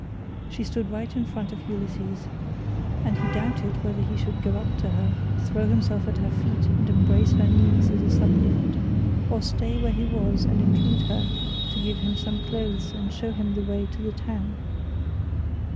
She stood right in front of Ulysses, and he doubted whether he should go up to her, throw himself at her feet, and embrace her knees as a suppliant, or stay where he was and entreat her to give him some clothes and show him the way to the town.